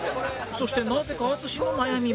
そしてなぜか淳の悩みも